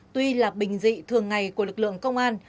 tuy là bình dị thường ngày của lực lượng công an